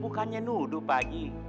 bukannya nuduh pakji